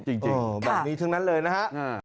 จริงแบบนี้ทั้งนั้นเลยนะฮะ